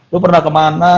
lu pernah kemana